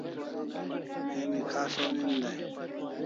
Emi khas onin dai